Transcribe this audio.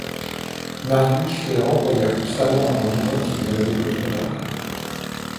Marius les renvoya constamment, en disant qu’il n’avait besoin de rien.